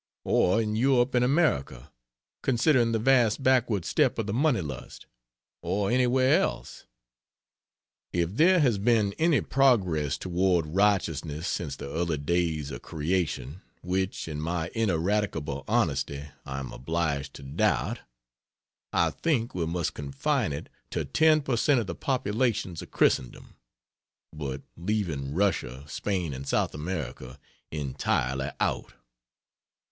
Or in Europe and America, considering the vast backward step of the money lust? Or anywhere else? If there has been any progress toward righteousness since the early days of Creation which, in my ineradicable honesty, I am obliged to doubt I think we must confine it to ten per cent of the populations of Christendom, (but leaving, Russia, Spain and South America entirely out.)